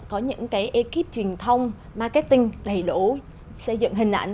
có những cái ekip truyền thông marketing đầy đủ xây dựng hình ảnh